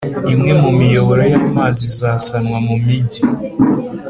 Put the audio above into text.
imwe mu miyoboro y'amazi izasanwa mu mijyi